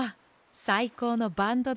さいこうのバンドだ。